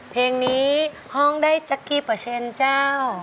เพลงนี้ห้องได้สักกี่เปอร์เซ็นต์เจ้า